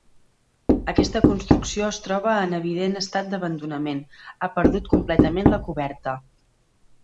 Aquesta construcció es troba en evident estat d'abandonament, ha perdut completament la coberta.